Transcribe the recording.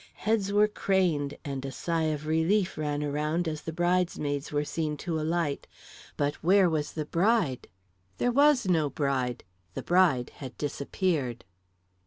Heads were craned and a sigh of relief ran around as the bridesmaids were seen to alight. But where was the bride? There was no bride! The bride had disappeared!